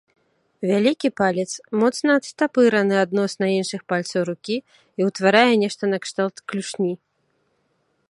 Вялікі палец моцна адтапыраны адносна іншых пальцаў рукі і ўтварае нешта накшталт клюшні.